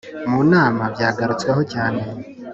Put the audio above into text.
munama byagarutsweho cyane. ,